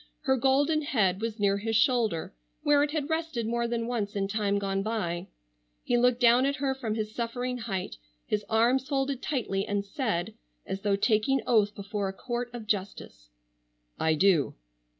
Her golden head was near his shoulder where it had rested more than once in time gone by. He looked down at her from his suffering height his arms folded tightly and said, as though taking oath before a court of justice: "I do."